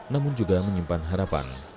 namun juga menyimpan harapan